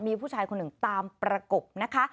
มีผู้ชายคนหนึ่งตามประกบนะคะ